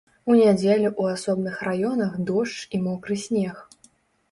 У нядзелю ў асобных раёнах дождж і мокры снег.